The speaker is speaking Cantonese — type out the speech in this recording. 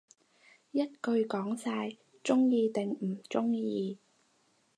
一句講晒，鍾意定唔鍾意